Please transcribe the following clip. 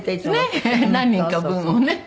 何人か分をね。